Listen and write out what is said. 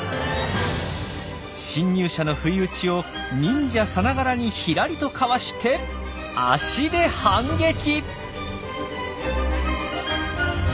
侵入者の不意打ちを忍者さながらにひらりとかわして足で反撃！